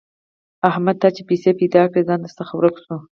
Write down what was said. احمده! تا چې پيسې پیدا کړې؛ ځان درڅخه ورک شو.